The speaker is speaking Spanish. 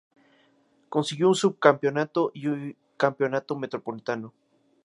Consiguió un subcampeonato y un campeonato metropolitano.